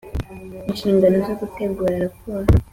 Inshingano zo gutegura raporo.